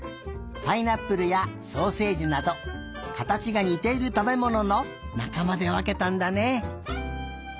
パイナップルやソーセージなどかたちがにているたべもののなかまでわけたんだね。